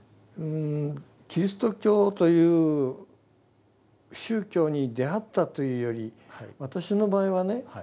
キリスト教という宗教に出会ったというより私の場合はね